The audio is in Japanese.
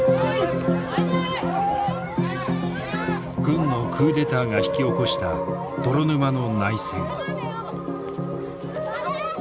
軍のクーデターが引き起こした泥沼の内戦。